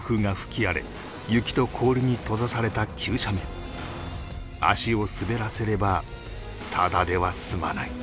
足を滑らせればただでは済まない